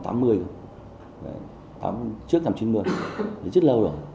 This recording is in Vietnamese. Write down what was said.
trước năm chín mươi rất lâu rồi